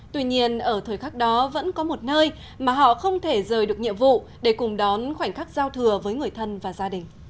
tuy nhiên ở thời khắc đó vẫn có một nơi mà họ không thể rời được nhiệm vụ để cùng đón khoảnh khắc giao thừa với người thân và gia đình